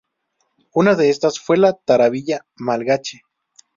Una de estas fue la tarabilla malgache.